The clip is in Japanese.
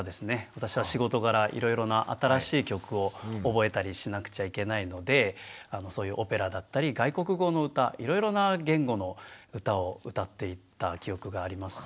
私は仕事柄いろいろな新しい曲を覚えたりしなくちゃいけないのでそういうオペラだったり外国語の歌いろいろな言語の歌を歌っていた記憶がありますね。